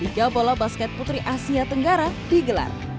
liga bola basket putri asia tenggara digelar